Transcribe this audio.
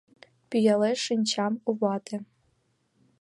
Пӱялеш шинчам у вате